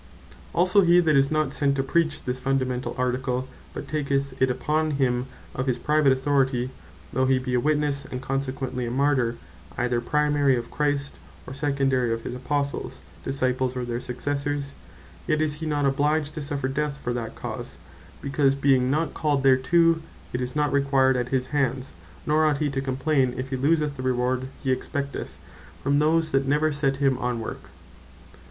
Also he that is not sent to preach this fundamentall article, but taketh it upon him of his private authority, though he be a Witnesse, and consequently a Martyr, either primary of Christ, or secondary of his Apostles, Disciples, or their Successors; yet is he not obliged to suffer death for that cause; because being not called thereto, tis not required at his hands; nor ought hee to complain, if he loseth the reward he expecteth from those that never set him on work.